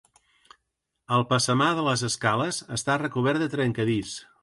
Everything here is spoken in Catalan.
El passamà de les escales està recobert de trencadís.